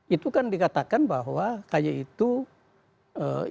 itu kan dikatakan bahwa kj itu ikut menentukan